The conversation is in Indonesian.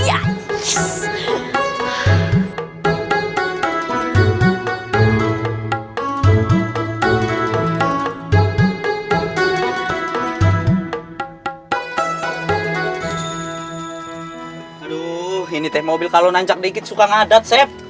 aduh ini teh mobil kalo nancak dikit suka ngadat sep